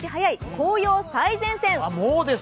紅葉最前線」